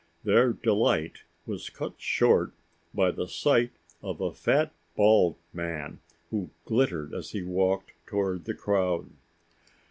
Their delight was cut short by the sight of a fat bald man who glittered as he walked toward the crowd.